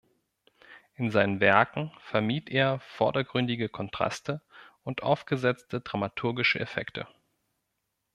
In seinen Werken vermied er vordergründige Kontraste und aufgesetzte dramaturgische Effekte.